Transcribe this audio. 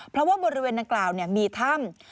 เพราะว่าบริเวณดังกล่าวมีถ้ำ